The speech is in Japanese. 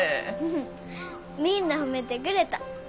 みんな褒めてくれた。